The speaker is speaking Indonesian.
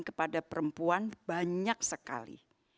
kepada perempuan banyak sekali